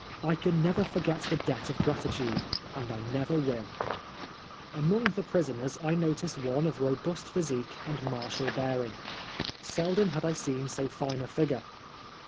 I can never forget the debt of gratitude — and I never will ! Among the prisoners I noticed ene of robust physique and martial bearing. Seldom had I seen so fine a figure.